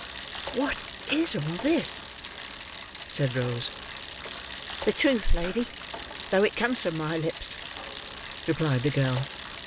"What is all this!" said Rose. "The truth, lady, though it comes from my lips," replied the girl.